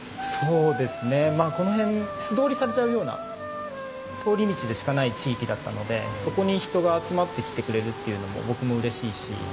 まあこの辺素通りされちゃうような通り道でしかない地域だったのでそこに人が集まってきてくれるっていうのも僕もうれしいし。